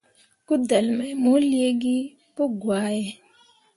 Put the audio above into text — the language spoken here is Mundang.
Kudelle mai mo liigi pǝgwahe.